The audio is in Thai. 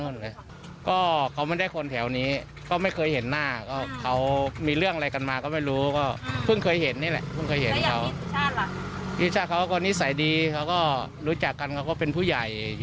วิธีประชาติค่ะ